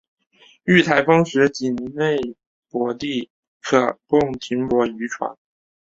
遇台风时仅内泊地可供停泊渔船。